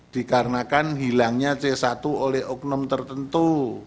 dikarenakan hilangnya c satu oleh oknum tertentu